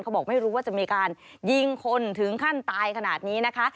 บอกไม่รู้ว่าจะมีการยิงคนถึงขั้นตายขนาดนี้นะคะ